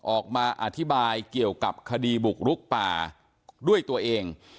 ออกมาอธิบายเกี่ยวกับคดีบุกรุกป่าด้วยตัวเอง